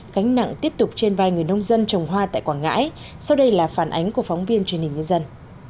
cánh nặng tiếp tục trên vai người nông dân trồng hoa tại quảng ngãi sau đây là phản ánh của phóng viên truyền hình nhân dân